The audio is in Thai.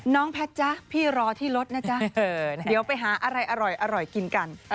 แพทย์จ๊ะพี่รอที่รถนะจ๊ะเดี๋ยวไปหาอะไรอร่อยกินกัน